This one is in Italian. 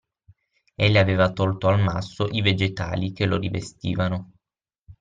Egli aveva tolto al masso i vegetali che lo rivestivano